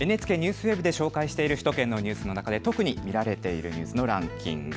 ＮＨＫＮＥＷＳＷＥＢで紹介している首都圏のニュースの中で特に見られているニュースのランキング。